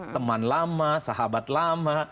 teman lama sahabat lama